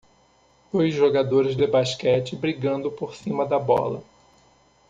Dois jogadores de basquete, brigando por cima da bola.